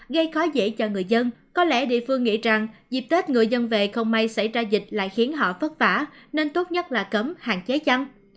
gây khó dễ cho người dân có lẽ địa phương nghĩ rằng dịp tết người dân về không may xảy ra dịch lại khiến họ vất vả nên tốt nhất là cấm hạn chế chăn